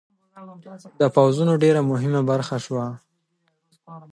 د پوځونو ډېره مهمه برخه شوه.